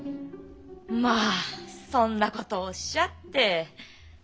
まあそんな事おっしゃって。